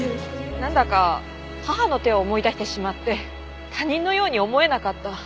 なんだか母の手を思い出してしまって他人のように思えなかった。